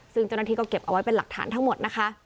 ซึ่งเจ้าหน้าที่ก็เก็บเอาไว้เป็นหลักฐานทั้งหมดนะคะ